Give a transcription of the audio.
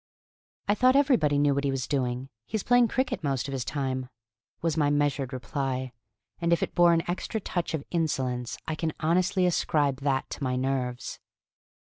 "I thought everybody knew what he was doing; he's playing cricket most of his time," was my measured reply; and if it bore an extra touch of insolence, I can honestly ascribe that to my nerves.